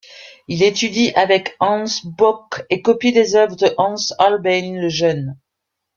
Il étudie avec Hans Bock et copie des œuvres de Hans Holbein le Jeune.